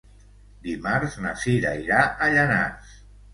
Dimarts na Cira irà a Llanars.